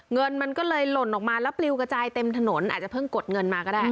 เงินมันก็เลยหล่นออกมาแล้วปลิวกระจายเต็มถนนอาจจะเพิ่งกดเงินมาก็ได้